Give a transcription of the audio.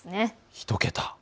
１桁。